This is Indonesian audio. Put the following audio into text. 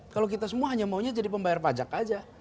kalau kita semua hanya maunya jadi pembayar pajak aja